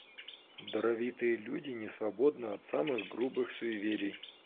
Даровитые люди не свободны от самых грубых суеверий.